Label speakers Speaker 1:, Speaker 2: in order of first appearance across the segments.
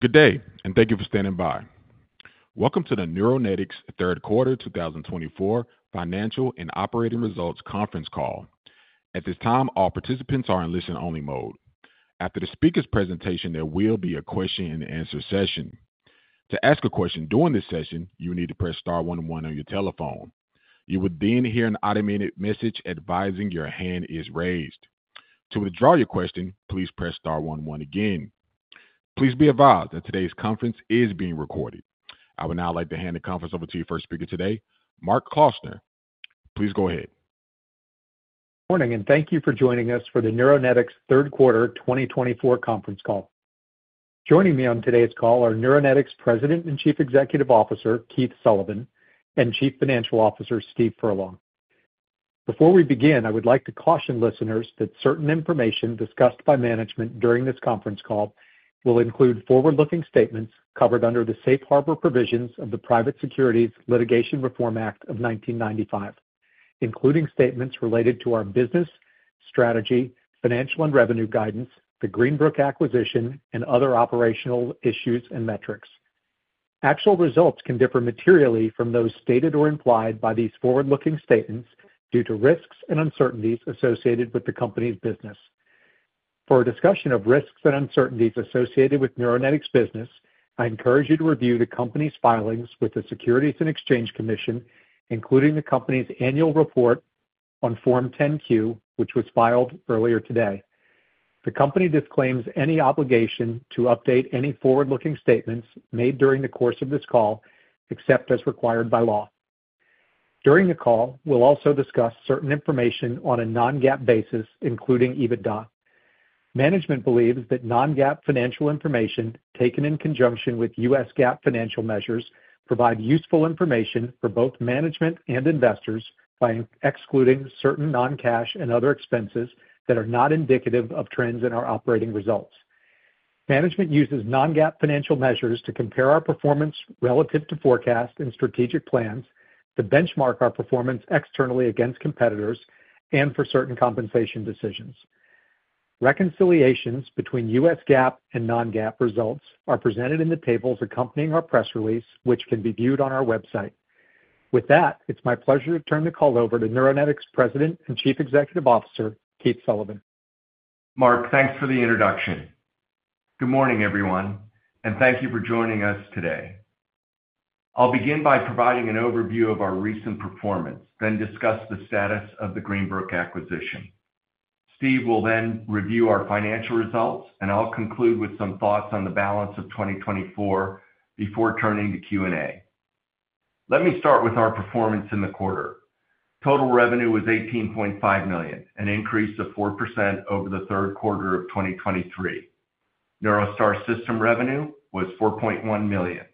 Speaker 1: Good day, and thank you for standing by. Welcome to the Neuronetics third quarter 2024 financial and operating results conference call. At this time, all participants are in listen-only mode. After the speaker's presentation, there will be a question-and-answer session. To ask a question during this session, you need to press star one one on your telephone. You will then hear an automated message advising your hand is raised. To withdraw your question, please press star one one again. Please be advised that today's conference is being recorded. I would now like to hand the conference over to your first speaker today, Mark Klausner. Please go ahead.
Speaker 2: Good morning, and thank you for joining us for the Neuronetics third quarter 2024 conference call. Joining me on today's call are Neuronetics President and Chief Executive Officer Keith Sullivan and Chief Financial Officer Steve Furlong. Before we begin, I would like to caution listeners that certain information discussed by management during this conference call will include forward-looking statements covered under the Safe Harbor Provisions of the Private Securities Litigation Reform Act of 1995, including statements related to our business strategy, financial and revenue guidance, the Greenbrook acquisition, and other operational issues and metrics. Actual results can differ materially from those stated or implied by these forward-looking statements due to risks and uncertainties associated with the company's business. For a discussion of risks and uncertainties associated with Neuronetics' business, I encourage you to review the company's filings with the Securities and Exchange Commission, including the company's annual report on Form 10-Q, which was filed earlier today. The company disclaims any obligation to update any forward-looking statements made during the course of this call, except as required by law. During the call, we'll also discuss certain information on a non-GAAP basis, including EBITDA. Management believes that non-GAAP financial information taken in conjunction with U.S. GAAP financial measures provides useful information for both management and investors by excluding certain non-cash and other expenses that are not indicative of trends in our operating results. Management uses non-GAAP financial measures to compare our performance relative to forecasts and strategic plans to benchmark our performance externally against competitors and for certain compensation decisions. Reconciliations between U.S. GAAP and non-GAAP results are presented in the tables accompanying our press release, which can be viewed on our website. With that, it's my pleasure to turn the call over to Neuronetics President and Chief Executive Officer Keith Sullivan.
Speaker 3: Mark, thanks for the introduction. Good morning, everyone, and thank you for joining us today. I'll begin by providing an overview of our recent performance, then discuss the status of the Greenbrook acquisition. Steve will then review our financial results, and I'll conclude with some thoughts on the balance of 2024 before turning to Q&A. Let me start with our performance in the quarter. Total revenue was $18.5 million, an increase of 4% over the third quarter of 2023. NeuroStar system revenue was $4.1 million.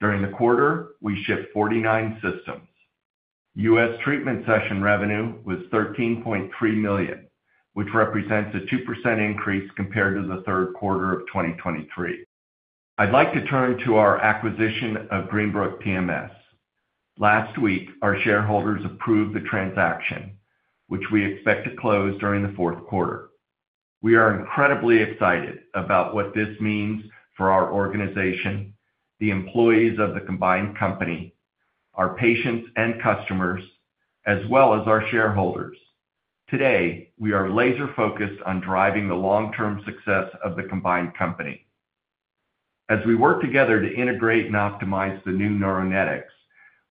Speaker 3: During the quarter, we shipped 49 systems. U.S. treatment session revenue was $13.3 million, which represents a 2% increase compared to the third quarter of 2023. I'd like to turn to our acquisition of Greenbrook TMS. Last week, our shareholders approved the transaction, which we expect to close during the fourth quarter. We are incredibly excited about what this means for our organization, the employees of the combined company, our patients and customers, as well as our shareholders. Today, we are laser-focused on driving the long-term success of the combined company. As we work together to integrate and optimize the new Neuronetics,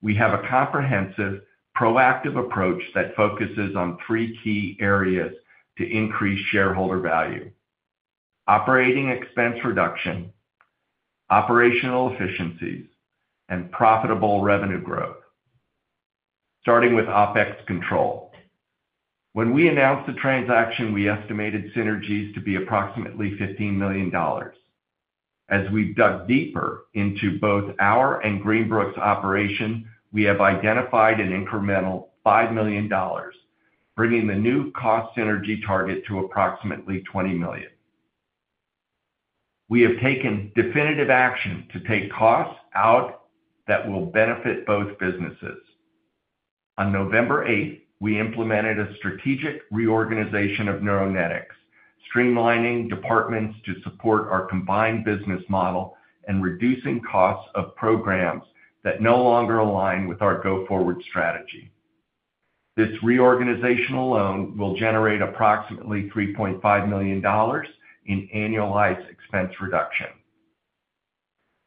Speaker 3: we have a comprehensive, proactive approach that focuses on three key areas to increase shareholder value: operating expense reduction, operational efficiencies, and profitable revenue growth. Starting with OpEx control. When we announced the transaction, we estimated synergies to be approximately $15 million. As we've dug deeper into both our and Greenbrook's operation, we have identified an incremental $5 million, bringing the new cost synergy target to approximately $20 million. We have taken definitive action to take costs out that will benefit both businesses. On November 8th, we implemented a strategic reorganization of Neuronetics, streamlining departments to support our combined business model and reducing costs of programs that no longer align with our go-forward strategy. This reorganization alone will generate approximately $3.5 million in annualized expense reduction,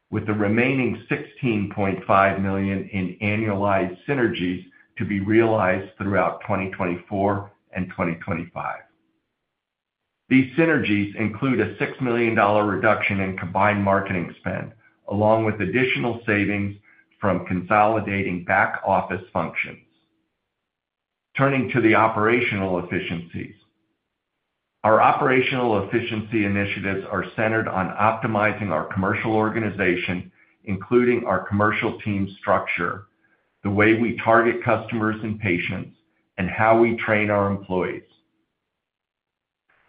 Speaker 3: with the remaining $16.5 million in annualized synergies to be realized throughout 2024 and 2025. These synergies include a $6 million reduction in combined marketing spend, along with additional savings from consolidating back-office functions. Turning to the operational efficiencies, our operational efficiency initiatives are centered on optimizing our commercial organization, including our commercial team structure, the way we target customers and patients, and how we train our employees.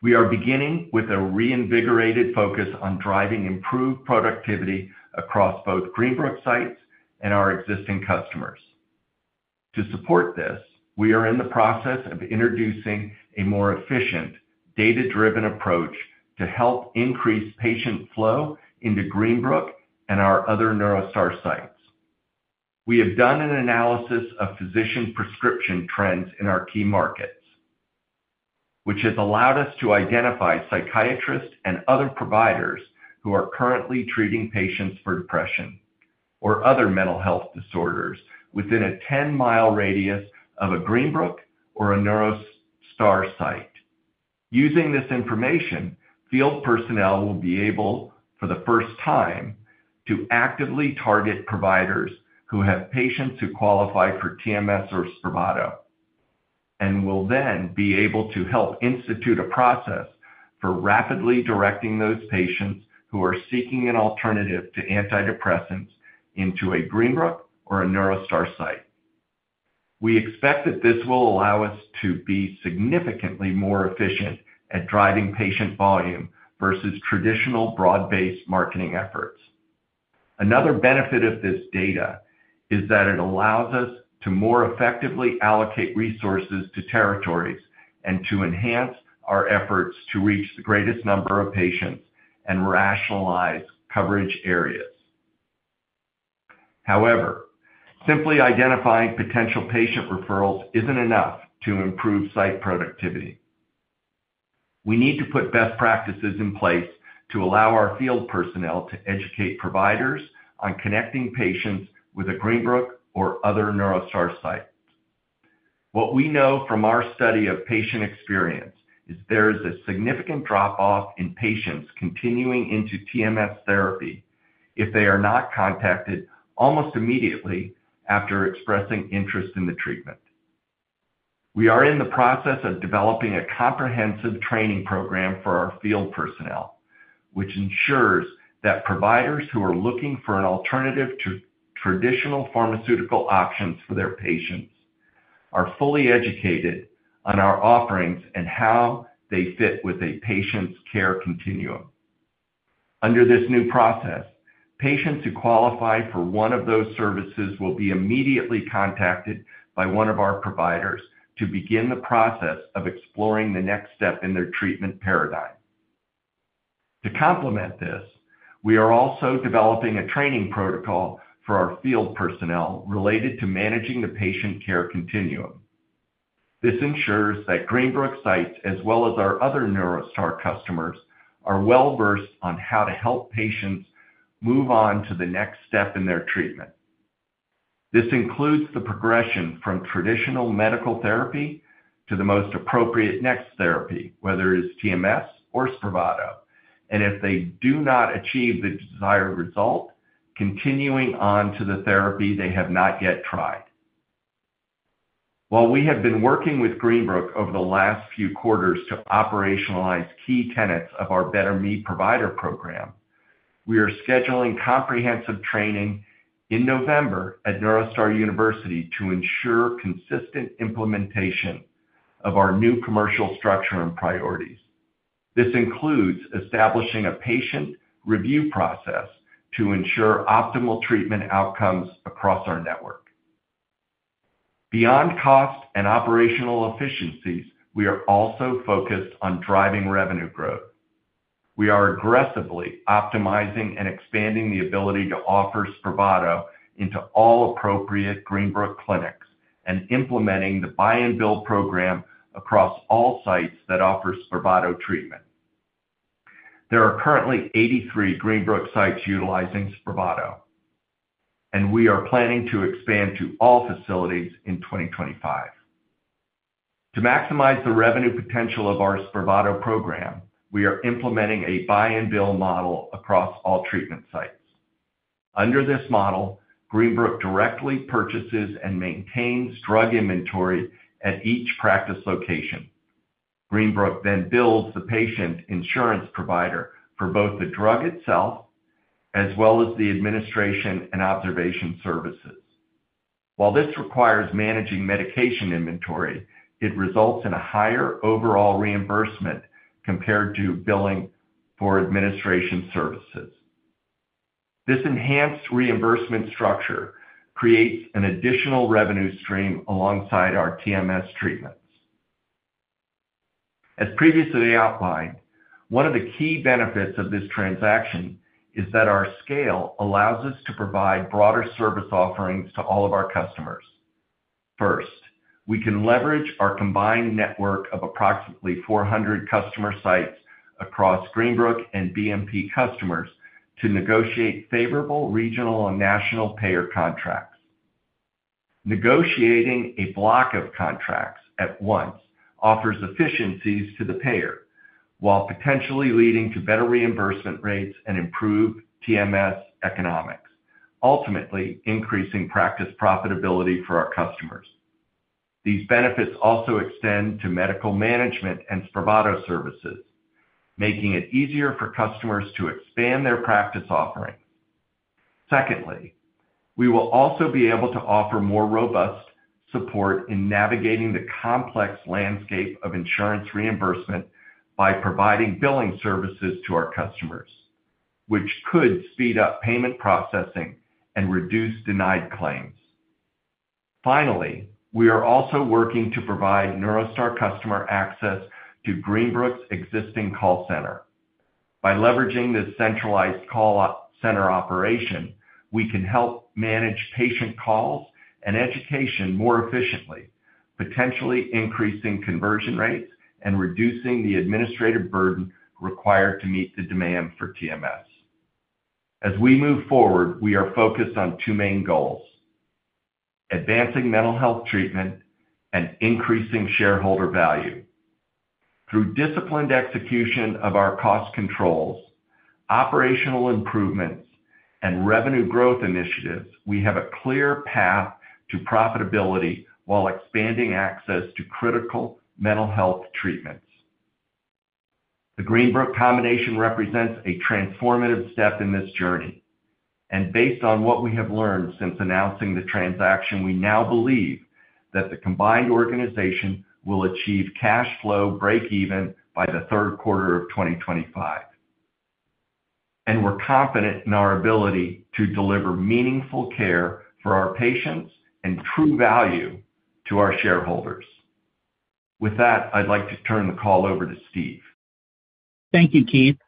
Speaker 3: We are beginning with a reinvigorated focus on driving improved productivity across both Greenbrook sites and our existing customers. To support this, we are in the process of introducing a more efficient, data-driven approach to help increase patient flow into Greenbrook and our other NeuroStar sites. We have done an analysis of physician prescription trends in our key markets, which has allowed us to identify psychiatrists and other providers who are currently treating patients for depression or other mental health disorders within a 10-mile radius of a Greenbrook or a NeuroStar site. Using this information, field personnel will be able, for the first time, to actively target providers who have patients who qualify for TMS or Spravato, and will then be able to help institute a process for rapidly directing those patients who are seeking an alternative to antidepressants into a Greenbrook or a NeuroStar site. We expect that this will allow us to be significantly more efficient at driving patient volume versus traditional broad-based marketing efforts. Another benefit of this data is that it allows us to more effectively allocate resources to territories and to enhance our efforts to reach the greatest number of patients and rationalize coverage areas. However, simply identifying potential patient referrals isn't enough to improve site productivity. We need to put best practices in place to allow our field personnel to educate providers on connecting patients with a Greenbrook or other NeuroStar site. What we know from our study of patient experience is there is a significant drop-off in patients continuing into TMS therapy if they are not contacted almost immediately after expressing interest in the treatment. We are in the process of developing a comprehensive training program for our field personnel, which ensures that providers who are looking for an alternative to traditional pharmaceutical options for their patients are fully educated on our offerings and how they fit with a patient's care continuum. Under this new process, patients who qualify for one of those services will be immediately contacted by one of our providers to begin the process of exploring the next step in their treatment paradigm. To complement this, we are also developing a training protocol for our field personnel related to managing the patient care continuum. This ensures that Greenbrook sites, as well as our other NeuroStar customers, are well-versed on how to help patients move on to the next step in their treatment. This includes the progression from traditional medical therapy to the most appropriate next therapy, whether it is TMS or Spravato, and if they do not achieve the desired result, continuing on to the therapy they have not yet tried. While we have been working with Greenbrook over the last few quarters to operationalize key tenets of our Better Me Provider program, we are scheduling comprehensive training in November at NeuroStar University to ensure consistent implementation of our new commercial structure and priorities. This includes establishing a patient review process to ensure optimal treatment outcomes across our network. Beyond cost and operational efficiencies, we are also focused on driving revenue growth. We are aggressively optimizing and expanding the ability to offer Spravato into all appropriate Greenbrook clinics and implementing the buy-and-bill program across all sites that offer Spravato treatment. There are currently 83 Greenbrook sites utilizing Spravato, and we are planning to expand to all facilities in 2025. To maximize the revenue potential of our Spravato program, we are implementing a Buy and Build model across all treatment sites. Under this model, Greenbrook directly purchases and maintains drug inventory at each practice location. Greenbrook then bills the patient insurance provider for both the drug itself as well as the administration and observation services. While this requires managing medication inventory, it results in a higher overall reimbursement compared to billing for administration services. This enhanced reimbursement structure creates an additional revenue stream alongside our TMS treatments. As previously outlined, one of the key benefits of this transaction is that our scale allows us to provide broader service offerings to all of our customers. First, we can leverage our combined network of approximately 400 customer sites across Greenbrook and BMP customers to negotiate favorable regional and national payer contracts. Negotiating a block of contracts at once offers efficiencies to the payer, while potentially leading to better reimbursement rates and improved TMS economics, ultimately increasing practice profitability for our customers. These benefits also extend to medical management and Spravato services, making it easier for customers to expand their practice offerings. Secondly, we will also be able to offer more robust support in navigating the complex landscape of insurance reimbursement by providing billing services to our customers, which could speed up payment processing and reduce denied claims. Finally, we are also working to provide NeuroStar customer access to Greenbrook's existing call center. By leveraging this centralized call center operation, we can help manage patient calls and education more efficiently, potentially increasing conversion rates and reducing the administrative burden required to meet the demand for TMS. As we move forward, we are focused on two main goals: advancing mental health treatment and increasing shareholder value. Through disciplined execution of our cost controls, operational improvements, and revenue growth initiatives, we have a clear path to profitability while expanding access to critical mental health treatments. The Greenbrook combination represents a transformative step in this journey. And based on what we have learned since announcing the transaction, we now believe that the combined organization will achieve cash flow break-even by the third quarter of 2025. And we're confident in our ability to deliver meaningful care for our patients and true value to our shareholders. With that, I'd like to turn the call over to Steve.
Speaker 4: Thank you, Keith.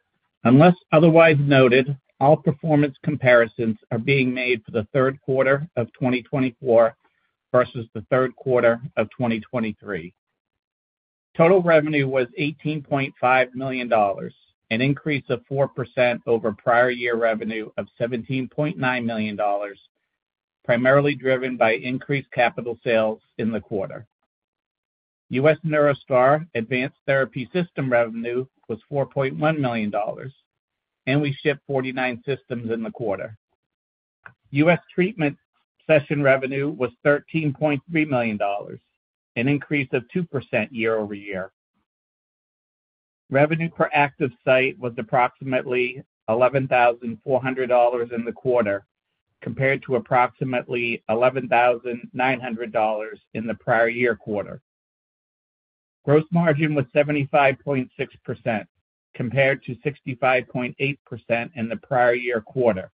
Speaker 4: Unless otherwise noted, all performance comparisons are being made for the third quarter of 2024 versus the third quarter of 2023. Total revenue was $18.5 million, an increase of 4% over prior year revenue of $17.9 million, primarily driven by increased capital sales in the quarter. U.S. NeuroStar Advanced Therapy system revenue was $4.1 million, and we shipped 49 systems in the quarter. U.S. treatment session revenue was $13.3 million, an increase of 2% year over year. Revenue per active site was approximately $11,400 in the quarter, compared to approximately $11,900 in the prior year quarter. Gross margin was 75.6%, compared to 65.8% in the prior year quarter,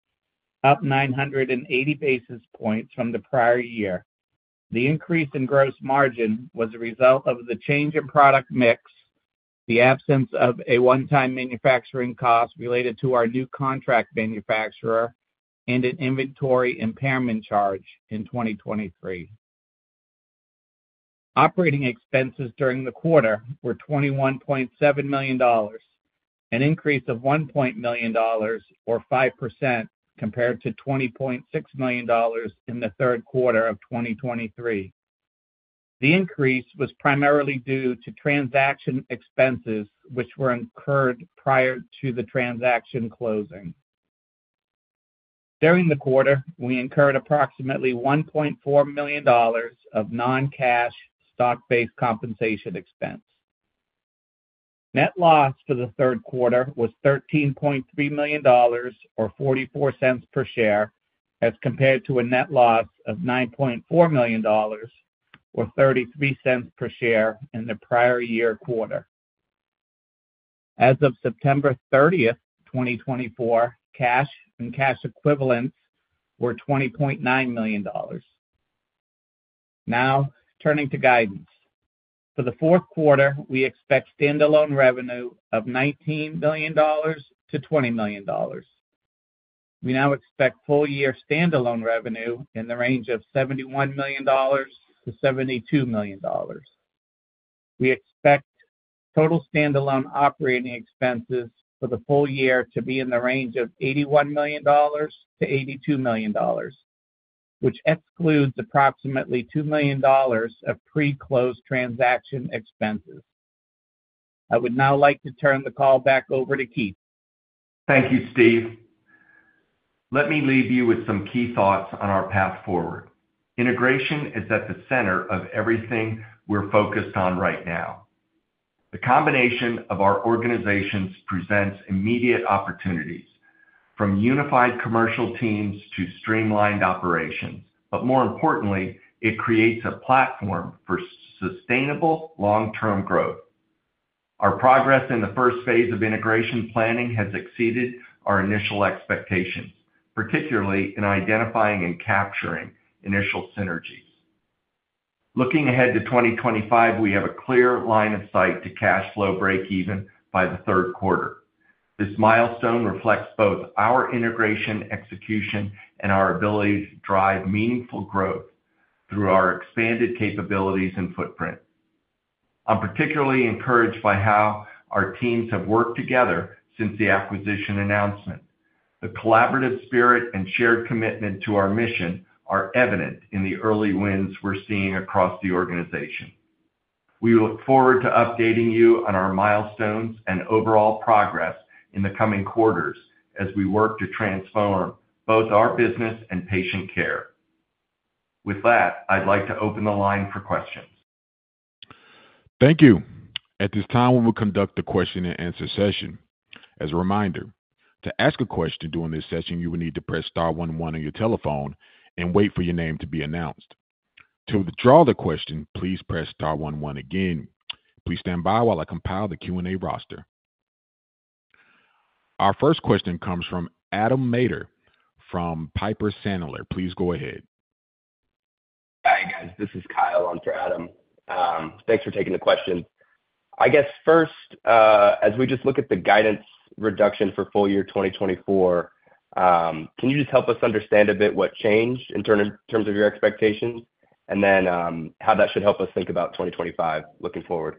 Speaker 4: up 980 basis points from the prior year. The increase in gross margin was a result of the change in product mix, the absence of a one-time manufacturing cost related to our new contract manufacturer, and an inventory impairment charge in 2023. Operating expenses during the quarter were $21.7 million, an increase of $1.00 million or 5% compared to $20.6 million in the third quarter of 2023. The increase was primarily due to transaction expenses, which were incurred prior to the transaction closing. During the quarter, we incurred approximately $1.4 million of non-cash stock-based compensation expense. Net loss for the third quarter was $13.3 million or $0.44 per share, as compared to a net loss of $9.4 million or $0.33 per share in the prior year quarter. As of September 30th, 2024, cash and cash equivalents were $20.9 million. Now, turning to guidance. For the fourth quarter, we expect standalone revenue of $19 million-$20 million. We now expect full-year standalone revenue in the range of $71 million-$72 million. We expect total standalone operating expenses for the full year to be in the range of $81 million-$82 million, which excludes approximately $2 million of pre-closed transaction expenses. I would now like to turn the call back over to Keith.
Speaker 3: Thank you, Steve. Let me leave you with some key thoughts on our path forward. Integration is at the center of everything we're focused on right now. The combination of our organizations presents immediate opportunities, from unified commercial teams to streamlined operations. But more importantly, it creates a platform for sustainable long-term growth. Our progress in the first phase of integration planning has exceeded our initial expectations, particularly in identifying and capturing initial synergies. Looking ahead to 2025, we have a clear line of sight to cash flow break-even by the third quarter. This milestone reflects both our integration execution and our ability to drive meaningful growth through our expanded capabilities and footprint. I'm particularly encouraged by how our teams have worked together since the acquisition announcement. The collaborative spirit and shared commitment to our mission are evident in the early wins we're seeing across the organization. We look forward to updating you on our milestones and overall progress in the coming quarters as we work to transform both our business and patient care. With that, I'd like to open the line for questions.
Speaker 1: Thank you. At this time, we will conduct the question-and-answer session. As a reminder, to ask a question during this session, you will need to press star one one on your telephone and wait for your name to be announced. To withdraw the question, please press star one one again. Please stand by while I compile the Q&A roster. Our first question comes from Adam Maeder from Piper Sandler. Please go ahead.
Speaker 5: Hi, guys. This is Kyle. I'm for Adam. Thanks for taking the question. I guess first, as we just look at the guidance reduction for full year 2024, can you just help us understand a bit what changed in terms of your expectations and then how that should help us think about 2025 looking forward?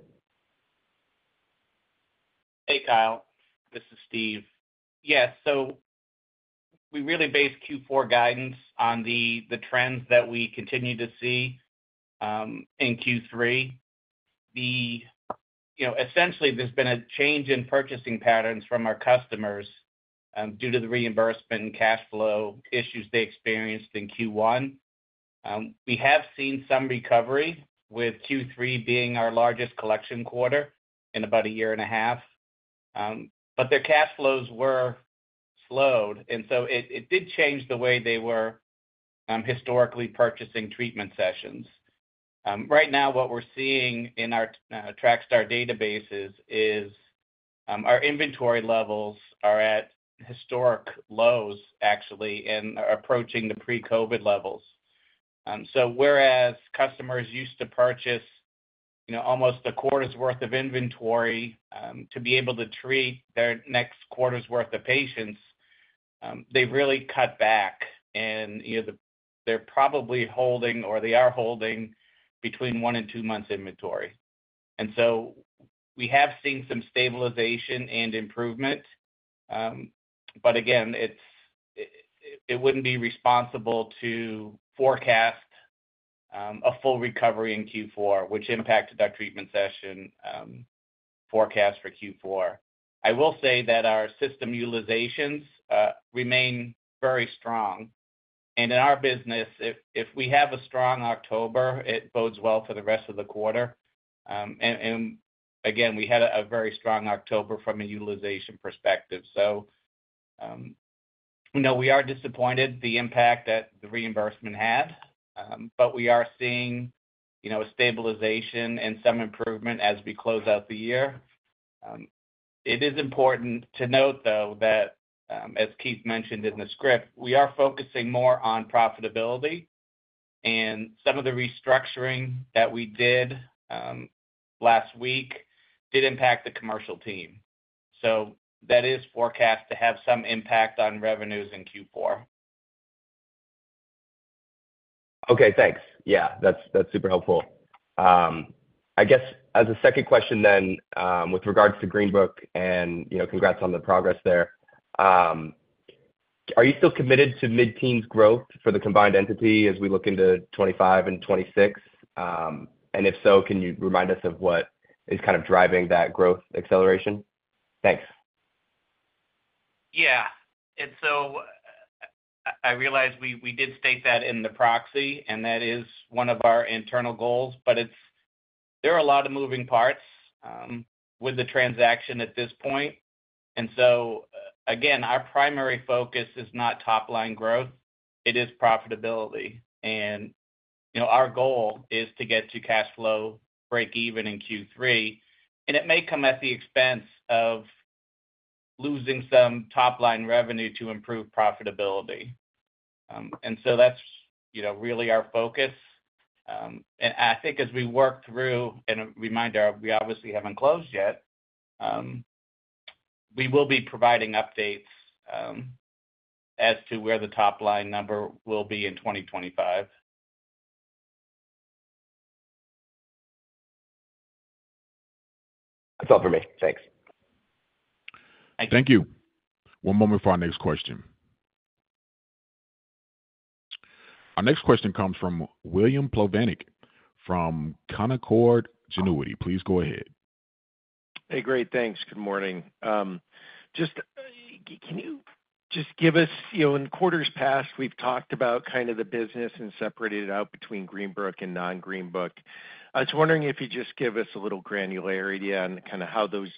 Speaker 4: Hey, Kyle. This is Steve. Yeah. So we really based Q4 guidance on the trends that we continue to see in Q3. Essentially, there's been a change in purchasing patterns from our customers due to the reimbursement and cash flow issues they experienced in Q1. We have seen some recovery with Q3 being our largest collection quarter in about a year and a half. But their cash flows were slowed, and so it did change the way they were historically purchasing treatment sessions. Right now, what we're seeing in our TrackStar databases is our inventory levels are at historic lows, actually, and are approaching the pre-COVID levels. So whereas customers used to purchase almost a quarter's worth of inventory to be able to treat their next quarter's worth of patients, they've really cut back, and they're probably holding or they are holding between one and two months' inventory. And so we have seen some stabilization and improvement. But again, it wouldn't be responsible to forecast a full recovery in Q4, which impacted our treatment session forecast for Q4. I will say that our system utilizations remain very strong. And in our business, if we have a strong October, it bodes well for the rest of the quarter. And again, we had a very strong October from a utilization perspective. So no, we are disappointed in the impact that the reimbursement had, but we are seeing a stabilization and some improvement as we close out the year. It is important to note, though, that as Keith mentioned in the script, we are focusing more on profitability, and some of the restructuring that we did last week did impact the commercial team. So that is forecast to have some impact on revenues in Q4.
Speaker 5: Okay. Thanks. Yeah. That's super helpful. I guess as a second question then with regards to Greenbrook, and congrats on the progress there, are you still committed to mid-teens growth for the combined entity as we look into 2025 and 2026? And if so, can you remind us of what is kind of driving that growth acceleration? Thanks.
Speaker 4: Yeah. And so I realize we did state that in the proxy, and that is one of our internal goals, but there are a lot of moving parts with the transaction at this point. And so again, our primary focus is not top-line growth. It is profitability. And our goal is to get to cash flow break-even in Q3. And it may come at the expense of losing some top-line revenue to improve profitability. And so that's really our focus. And I think as we work through, and a reminder, we obviously haven't closed yet, we will be providing updates as to where the top-line number will be in 2025.
Speaker 5: That's all for me. Thanks.
Speaker 4: Thanks.
Speaker 1: Thank you. One moment for our next question. Our next question comes from William Plovanic from Canaccord Genuity. Please go ahead.
Speaker 6: Hey, great. Thanks. Good morning. Can you just give us in quarters past, we've talked about kind of the business and separated it out between Greenbrook and non-Greenbrook. I was wondering if you'd just give us a little granularity on kind of how those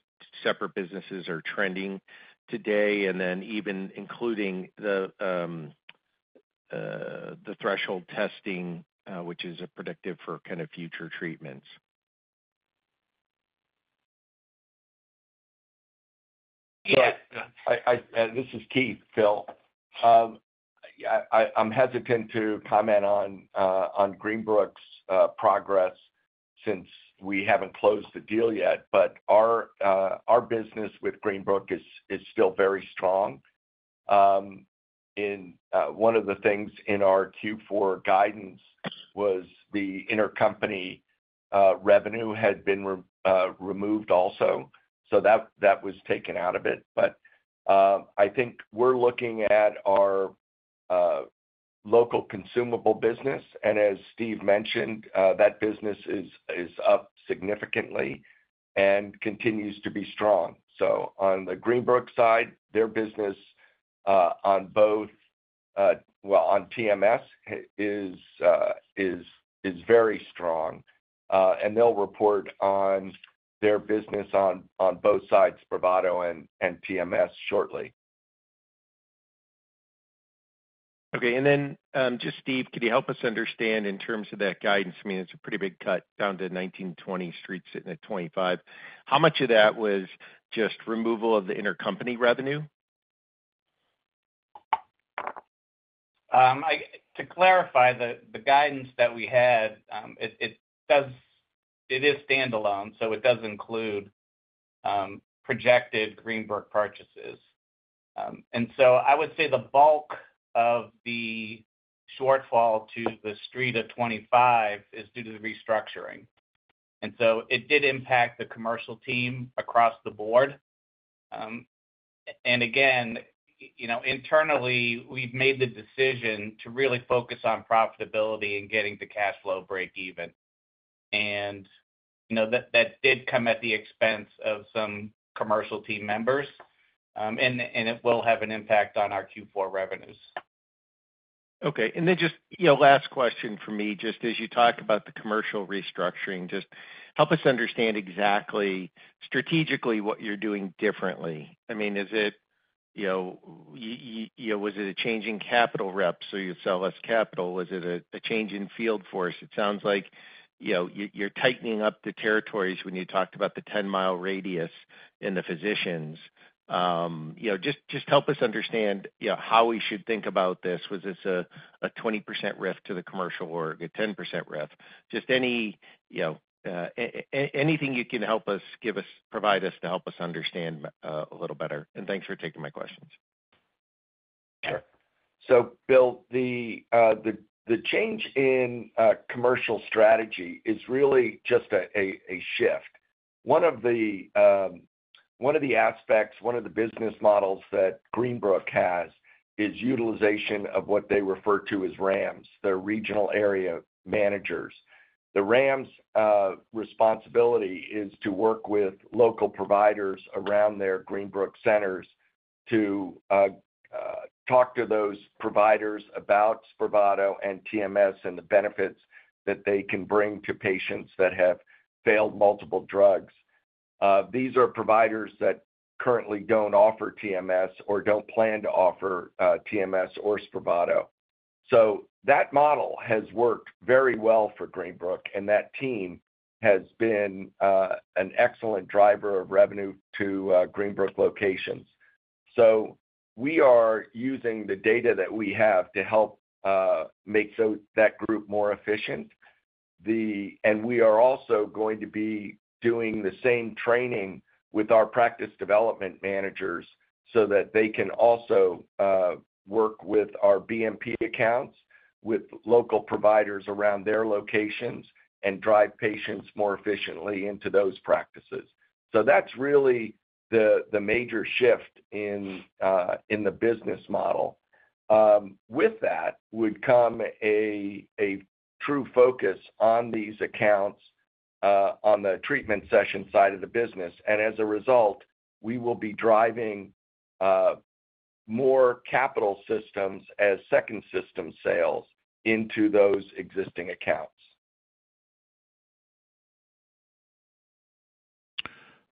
Speaker 6: separate businesses are trending today, and then even including the threshold testing, which is a predictive for kind of future treatments.
Speaker 3: Yeah. This is Keith, Bill. I'm hesitant to comment on Greenbrook's progress since we haven't closed the deal yet, but our business with Greenbrook is still very strong. One of the things in our Q4 guidance was the intercompany revenue had been removed also. So that was taken out of it. But I think we're looking at our local consumable business. And as Steve mentioned, that business is up significantly and continues to be strong. So on the Greenbrook side, their business on both, well, on TMS is very strong. And they'll report on their business on both sides, Spravato and TMS, shortly.
Speaker 6: Okay. And then just, Steve, could you help us understand in terms of that guidance? I mean, it's a pretty big cut down to 19 to 20 sites in 2025. How much of that was just removal of the intercompany revenue?
Speaker 4: To clarify, the guidance that we had, it is standalone, so it does include projected Greenbrook purchases. And so I would say the bulk of the shortfall to the street of 2025 is due to the restructuring. And so it did impact the commercial team across the board. And again, internally, we've made the decision to really focus on profitability and getting the cash flow break-even. And that did come at the expense of some commercial team members, and it will have an impact on our Q4 revenues.
Speaker 6: Okay. And then just last question for me, just as you talk about the commercial restructuring, just help us understand exactly strategically what you're doing differently. I mean, was it a change in capital reps so you sell less capital? Was it a change in field force? It sounds like you're tightening up the territories when you talked about 10-mile radius in the physicians. Just help us understand how we should think about this. Was this a 20% cut to the commercial or a 10% cut? Just anything you can help us provide us to help us understand a little better. And thanks for taking my questions.
Speaker 3: Sure. So Bill, the change in commercial strategy is really just a shift. One of the aspects, one of the business models that Greenbrook has is utilization of what they refer to as RAMs, their regional area managers. The RAM's responsibility is to work with local providers around their Greenbrook centers to talk to those providers about Spravato and TMS and the benefits that they can bring to patients that have failed multiple drugs. These are providers that currently don't offer TMS or don't plan to offer TMS or Spravato. So that model has worked very well for Greenbrook, and that team has been an excellent driver of revenue to Greenbrook locations. So we are using the data that we have to help make that group more efficient. We are also going to be doing the same training with our practice development managers so that they can also work with our BMP accounts with local providers around their locations and drive patients more efficiently into those practices. That's really the major shift in the business model. With that would come a true focus on these accounts on the treatment session side of the business. As a result, we will be driving more capital systems as second system sales into those existing accounts.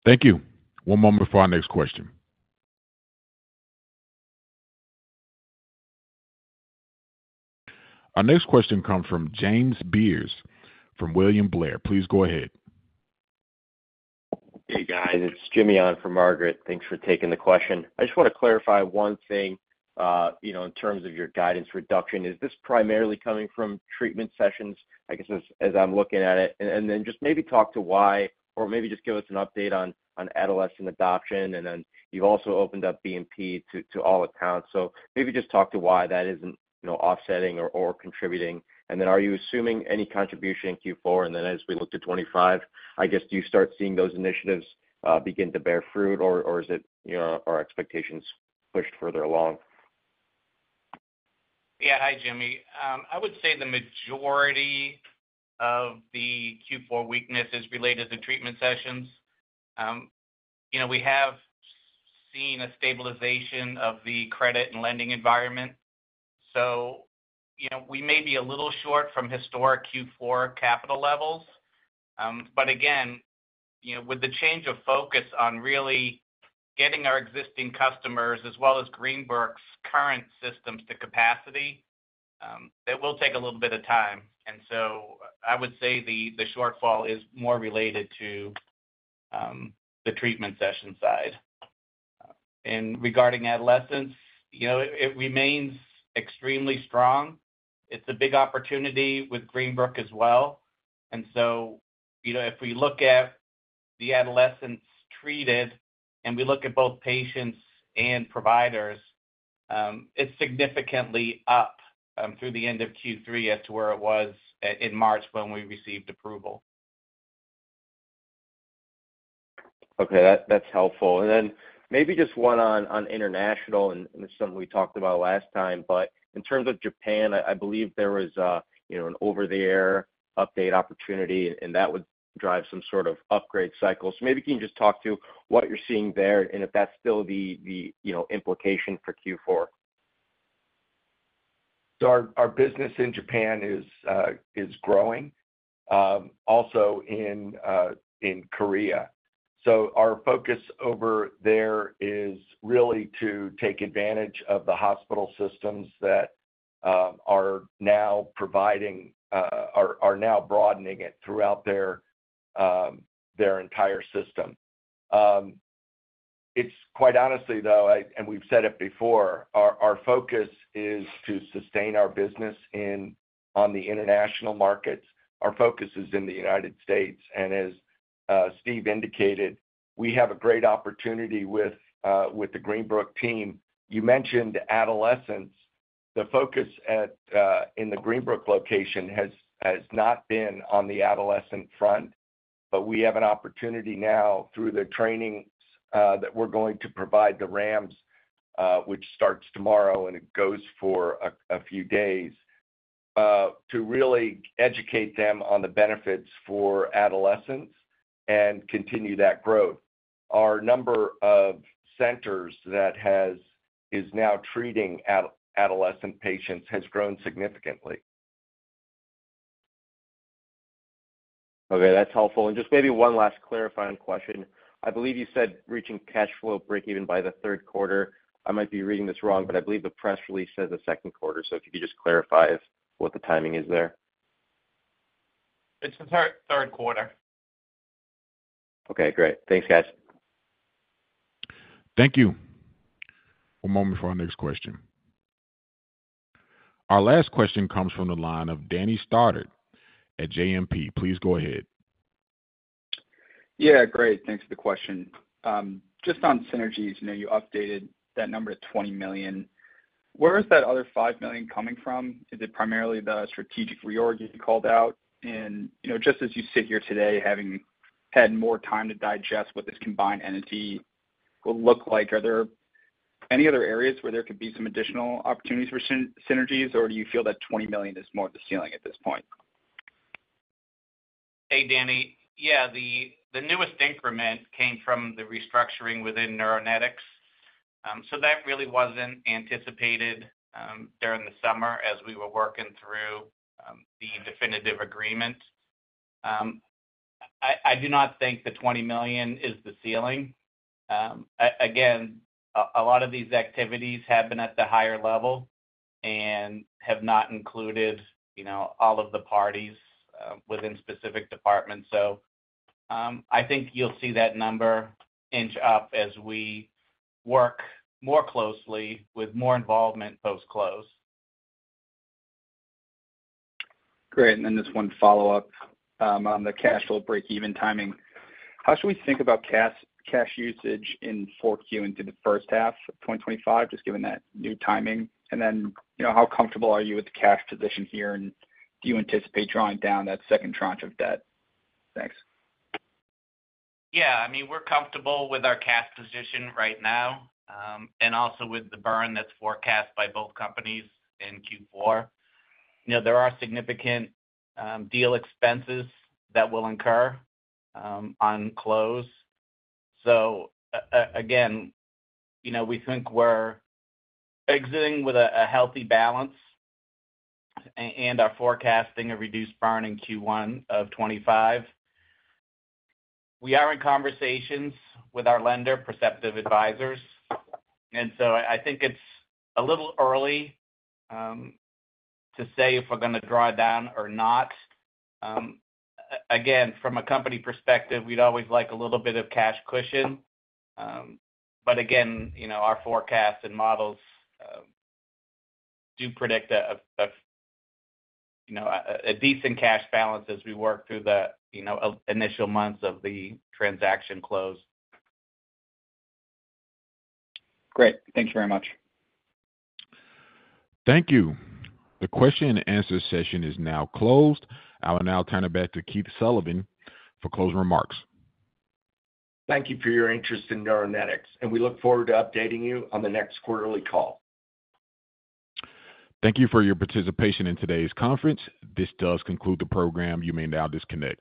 Speaker 1: Thank you. One moment for our next question. Our next question comes from James Beers from William Blair. Please go ahead.
Speaker 7: Hey, guys. It's James on for Margaret. Thanks for taking the question. I just want to clarify one thing in terms of your guidance reduction. Is this primarily coming from treatment sessions, I guess, as I'm looking at it? And then just maybe talk to why, or maybe just give us an update on adolescent adoption. And then you've also opened up BMP to all accounts. So maybe just talk to why that isn't offsetting or contributing. And then are you assuming any contribution in Q4? And then as we look to 2025, I guess, do you start seeing those initiatives begin to bear fruit, or are expectations pushed further along?
Speaker 4: Yeah. Hi, Jimmy. I would say the majority of the Q4 weakness is related to treatment sessions. We have seen a stabilization of the credit and lending environment. So we may be a little short from historic Q4 capital levels. But again, with the change of focus on really getting our existing customers as well as Greenbrook's current systems to capacity, it will take a little bit of time. And so I would say the shortfall is more related to the treatment session side. And regarding adolescents, it remains extremely strong. It's a big opportunity with Greenbrook as well. And so if we look at the adolescents treated and we look at both patients and providers, it's significantly up through the end of Q3 as to where it was in March when we received approval.
Speaker 7: Okay. That's helpful. And then maybe just one on international, and it's something we talked about last time. But in terms of Japan, I believe there was an over-the-air update opportunity, and that would drive some sort of upgrade cycle. So maybe can you just talk to what you're seeing there and if that's still the implication for Q4?
Speaker 3: So our business in Japan is growing, also in Korea. So our focus over there is really to take advantage of the hospital systems that are now providing, are now broadening it throughout their entire system. It's quite honestly, though, and we've said it before, our focus is to sustain our business on the international markets. Our focus is in the United States. And as Steve indicated, we have a great opportunity with the Greenbrook team. You mentioned adolescents. The focus in the Greenbrook location has not been on the adolescent front, but we have an opportunity now through the trainings that we're going to provide the RAMs, which starts tomorrow and it goes for a few days, to really educate them on the benefits for adolescents and continue that growth. Our number of centers that is now treating adolescent patients has grown significantly.
Speaker 7: Okay. That's helpful. And just maybe one last clarifying question. I believe you said reaching cash flow break-even by the third quarter. I might be reading this wrong, but I believe the press release says the second quarter. So if you could just clarify what the timing is there?
Speaker 4: It's the third quarter.
Speaker 7: Okay. Great. Thanks, guys.
Speaker 1: Thank you. One moment for our next question. Our last question comes from the line of Danny Stoddard at JMP. Please go ahead.
Speaker 8: Yeah. Great. Thanks for the question. Just on synergies, you updated that number to $20 million. Where is that other $5 million coming from? Is it primarily the strategic reorg you called out? And just as you sit here today, having had more time to digest what this combined entity will look like, are there any other areas where there could be some additional opportunities for synergies, or do you feel that $20 million is more of the ceiling at this point?
Speaker 4: Hey, Danny. Yeah. The newest increment came from the restructuring within Neuronetics. So that really wasn't anticipated during the summer as we were working through the definitive agreement. I do not think the $20 million is the ceiling. Again, a lot of these activities have been at the higher level and have not included all of the parties within specific departments. So I think you'll see that number inch up as we work more closely with more involvement post-close.
Speaker 9: Great. And then just one follow-up on the cash flow break-even timing. How should we think about cash usage in 4Q into the first half of 2025, just given that new timing? And then how comfortable are you with the cash position here, and do you anticipate drawing down that second tranche of debt? Thanks.
Speaker 4: Yeah. I mean, we're comfortable with our cash position right now and also with the burn that's forecast by both companies in Q4. There are significant deal expenses that will incur on close, so again, we think we're exiting with a healthy balance and are forecasting a reduced burn in Q1 of 2025. We are in conversations with our lender, Perceptive Advisors, and so I think it's a little early to say if we're going to draw down or not. Again, from a company perspective, we'd always like a little bit of cash cushion, but again, our forecasts and models do predict a decent cash balance as we work through the initial months of the transaction close.
Speaker 8: Great. Thanks very much.
Speaker 1: Thank you. The question-and-answer session is now closed. I will now turn it back to Keith Sullivan for closing remarks.
Speaker 3: Thank you for your interest in Neuronetics, and we look forward to updating you on the next quarterly call.
Speaker 1: Thank you for your participation in today's conference. This does conclude the program. You may now disconnect.